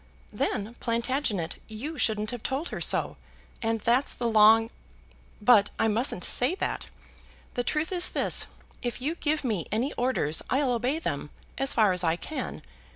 "Then, Plantagenet, you shouldn't have told her so, and that's the long ; but I mustn't say that. The truth is this, if you give me any orders I'll obey them, as far as I can.